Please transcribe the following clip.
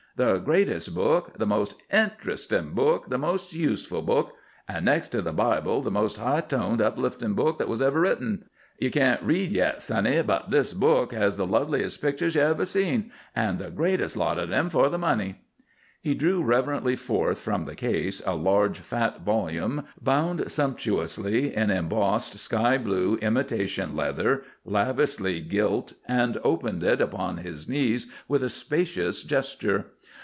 The greatest book, the most interestin' book, the most useful book—and next to the Bible the most high toned, uplifting book that was ever written. Ye can't read yet, sonny, but this book has the loveliest pictures ye ever seen, and the greatest lot of 'em for the money." He drew reverently forth from the case a large, fat volume, bound sumptuously in embossed sky blue imitation leather, lavishly gilt, and opened it upon his knees with a spacious gesture.